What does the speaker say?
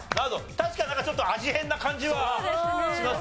確かにちょっと味変な感じはしますね